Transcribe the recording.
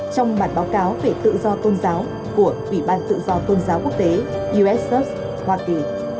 trong bản báo cáo về tự do tôn giáo của ủy ban tự do tôn giáo quốc tế uss hoa kỳ